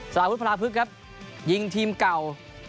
สารวุฒิพลาพึกครับยิงทีมเก่า